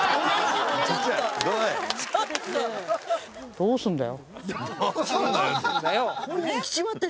どうすんだよ？